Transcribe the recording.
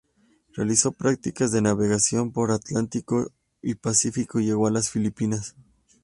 Realizó prácticas de navegación por Atlántico y Pacífico y llegó a las Filipinas.